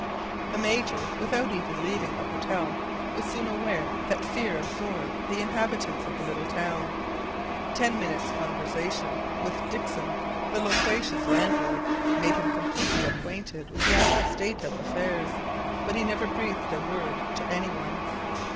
The Major without even leaving the hotel, was soon aware that fear absorbed the inhabitants of the little town. Ten minutes' conversation with Dickson, the loquacious landlord, made him completely acquainted with the actual state of affairs; but he never breathed a word to any one.